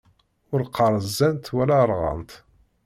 Ur qqaṛ zzant, wala rɣant!